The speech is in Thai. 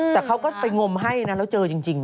แต่เขาก็ไปงมให้นะแล้วเจอจริง